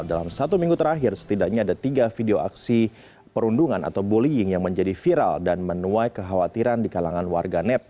dalam satu minggu terakhir setidaknya ada tiga video aksi perundungan atau bullying yang menjadi viral dan menuai kekhawatiran di kalangan warga net